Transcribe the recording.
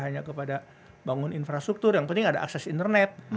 hanya kepada bangun infrastruktur yang penting ada akses internet